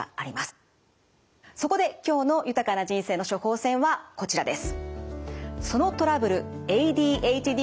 そこで今日の豊かな人生の処方せんはこちらです。